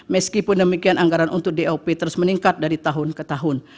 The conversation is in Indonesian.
meskipun demikian anggaran untuk dop terus meningkat dari tahun ke tahun